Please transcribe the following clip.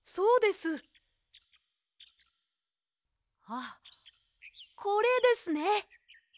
あっこれですね！